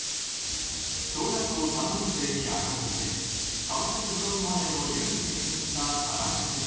小学校３年生に上がる時川崎フロンターレのユースに進んだ田中選手。